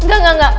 engga engga engga